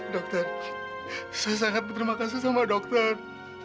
dokter saya sangat berterima kasih sama dokter